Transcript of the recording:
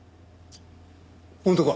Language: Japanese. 本当か？